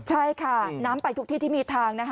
ใช่ค่ะน้ำไปทุกที่ที่มีทางนะคะ